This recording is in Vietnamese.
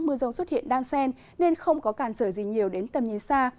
mưa rông xuất hiện đan sen nên không có cản trở gì nhiều đến tầm nhìn xa